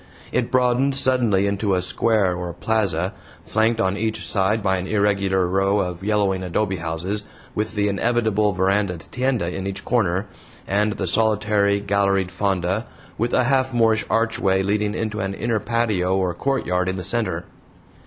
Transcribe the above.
It broadened suddenly into a square or plaza, flanked on each side by an irregular row of yellowing adobe houses, with the inevitable verandaed tienda in each corner, and the solitary, galleried fonda, with a half Moorish archway leading into an inner patio or courtyard in the center.